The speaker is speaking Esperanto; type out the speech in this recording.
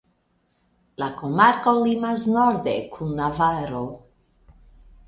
La komarko limas norde kun Navaro.